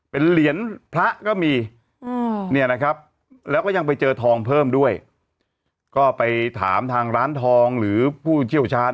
เป็นเหรียญพระก็มีเนี่ยนะครับแล้วก็ยังไปเจอทองเพิ่มด้วยก็ไปถามทางร้านทองหรือผู้เชี่ยวชาญ